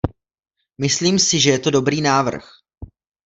Myslím si, že je to dobrý návrh.